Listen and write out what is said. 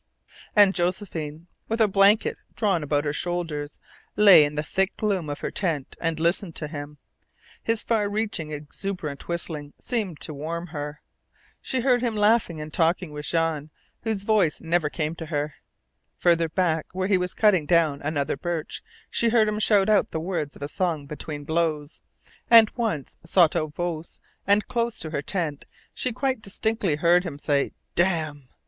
And Josephine, with a blanket drawn about her shoulders, lay in the thick gloom of her tent and listened to him. His far reaching, exuberant whistling seemed to warm her. She heard him laughing and talking with Jean, whose voice never came to her; farther back, where he was cutting down another birch, she heard him shout out the words of a song between blows; and once, sotto voce, and close to her tent, she quite distinctly heard him say "Damn!"